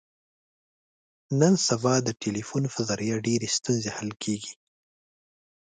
نن سبا د ټلیفون په ذریعه ډېرې ستونزې حل کېږي.